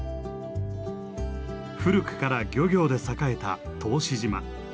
古くから漁業で栄えた答志島。